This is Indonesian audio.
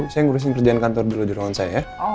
saya ngurusin kerjaan kantor dulu di ruangan saya ya